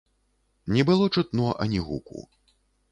Не было чутно ані гуку.